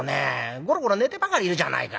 ゴロゴロ寝てばかりいるじゃないか」。